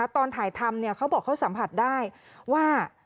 ตอนถ่ายทำเขาบอกเขาสัมผัสได้ว่า